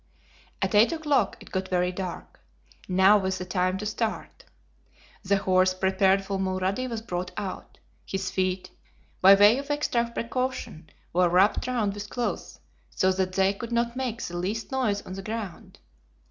At eight o'clock it got very dark; now was the time to start. The horse prepared for Mulrady was brought out. His feet, by way of extra precaution, were wrapped round with cloths, so that they could not make the least noise on the ground.